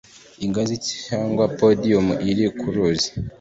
ingazi cyangwa podiyumu iri ku ruzi